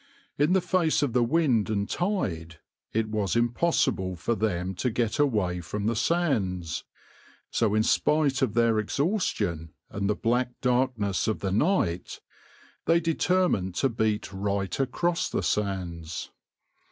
In the face of the wind and tide it was impossible for them to get away from the sands, so in spite of their exhaustion and the black darkness of the night, they determined to beat right across the sands.